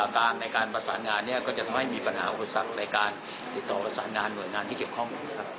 ในการประสานงานเนี่ยก็จะทำให้มีปัญหาอุปสรรคในการติดต่อประสานงานหน่วยงานที่เกี่ยวข้องครับ